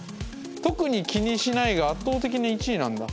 「特に気にしない」が圧倒的に１位なんだ。